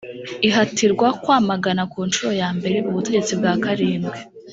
ihatirwa kwamagana ku ncuro ya mbere ubutegetsi bwa karindwi